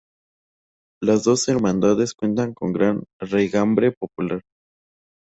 Las dos hermandades cuentan con gran raigambre popular.